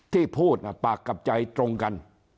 ที่พูดปากกับใจตรงกัน